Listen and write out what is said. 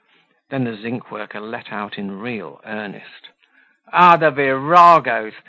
Then the zinc worker let out in real earnest. "Ah! the viragos!